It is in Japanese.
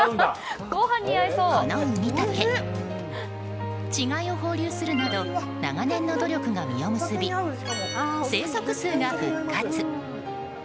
このウミタケ稚貝を放流するなど長年の努力が実を結び生息数が復活。